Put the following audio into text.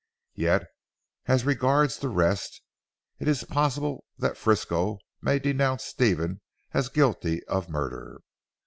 "Yet as regards the rest. It is possible that Frisco may denounce Stephen as guilty of murder.